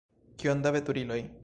Kiom da veturiloj!